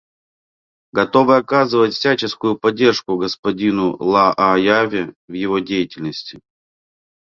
Готовы оказывать всяческую поддержку господину Лааяве в его деятельности.